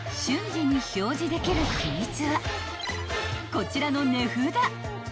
［こちらの値札］